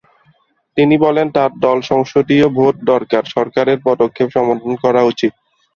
তিনি বলেন, তার দল সংসদীয় ভোট সরকার সরকারের পদক্ষেপ সমর্থন করা উচিত।